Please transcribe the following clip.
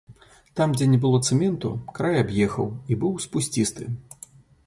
Там, дзе не было цэменту, край аб'ехаў і быў спусцісты.